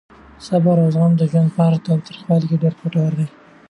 صبر او زغم د ژوند په هره تریخوالې کې ډېر ګټور دي.